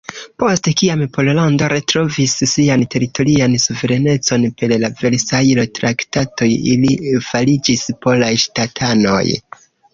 Post kiam Pollando retrovis sian teritorian suverenecon per la Versajlo-traktatoj, ili fariĝis polaj ŝtatanoj.